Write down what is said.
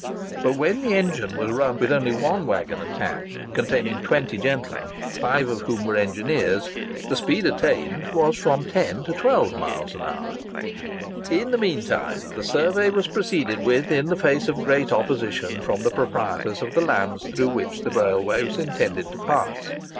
But when the engine was run with only one waggon attached containing twenty gentlemen, five of whom were engineers, the speed attained was from 10 to 12 miles an hour. In the mean time the survey was proceeded with, in the face of great opposition from the proprietors of the lands through which the railway was intended to pass.